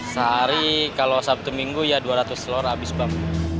sehari kalau sabtu minggu ya dua ratus telur habis bambu